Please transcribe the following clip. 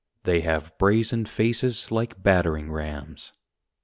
They have brazen faces like battering rams.